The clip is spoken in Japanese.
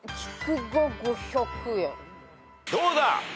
どうだ？